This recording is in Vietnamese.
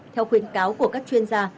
theo khuyến cáo của các chuyên gia